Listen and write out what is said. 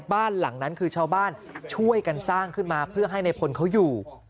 บ้านหลังนั้นคือชาวบ้านช่วยกันสร้างขึ้นมาเพื่อให้ในพลเขาอยู่